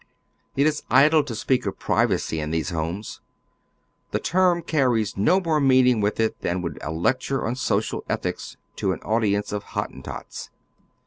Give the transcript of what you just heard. It is idle to speak of privacy in these " homes." The term carries no more meaning with it than would a lectnre on social ethics to an audience of Hottentots.